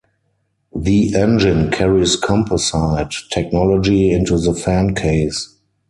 The engine carries composite technology into the fan case.